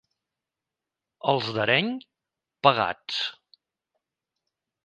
Els d'Areny, pegats.